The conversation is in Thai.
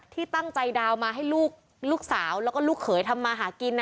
ที่ตั้งใจดาวน์มาให้ลูกสาวแล้วก็ลูกเขยทำมาหากิน